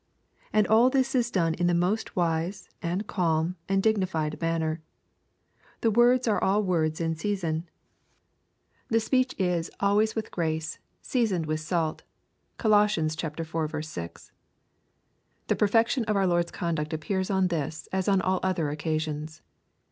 And all this is done in the most wise, and calm, and dignified manner. The words are all words in reason. The speech is ^' always with grace, seasoned with LUKE, CHAP. XIV. 147 Bait. (CoCoss. iv. 6.) The perfection of our Lord^s con duct appears on this, as on all other occasions.